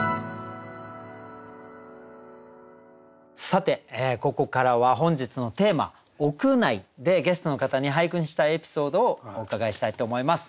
さてここからは本日のテーマ「屋内」でゲストの方に俳句にしたいエピソードをお伺いしたいと思います。